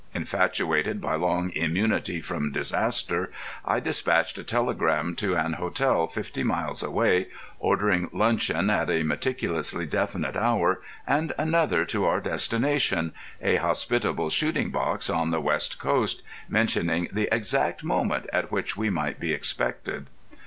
Infatuated by long immunity from disaster, I dispatched a telegram to an hotel fifty miles away, ordering luncheon at a meticulously definite hour, and another to our destination—a hospitable shooting box on the west coast—mentioning the exact moment at which we might be expected.